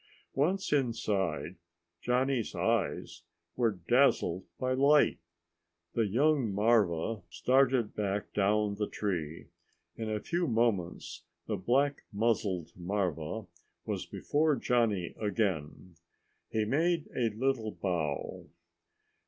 Once inside, Johnny's eyes were dazzled by light. The young marva started back down the tree. In a few moments the black muzzled marva was before Johnny again. He made a little bow.